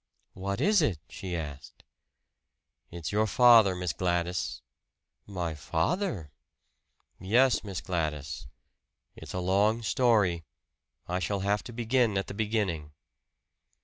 "What is it?" she asked. "It's your father, Miss Gladys." "My father?" "Yes, Miss Gladys. It's a long story. I shall have to begin at the beginning."